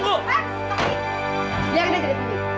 biarin aja di pintu